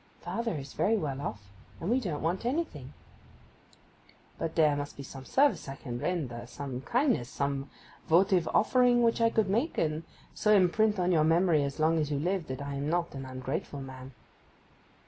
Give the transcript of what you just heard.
'Father is very well off, and we don't want anything.' 'But there must be some service I can render, some kindness, some votive offering which I could make, and so imprint on your memory as long as you live that I am not an ungrateful man?